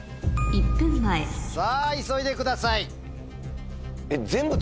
さぁ急いでください。